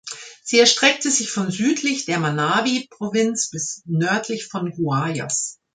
Sie erstreckte sich von südlich der Manabi-Provinz bis nördlich von Guayas.